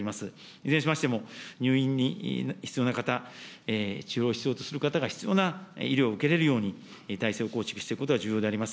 いずれにしましても、入院に必要な方、治療を必要する方が必要な医療を受けれるように、体制を構築していくことが重要であります。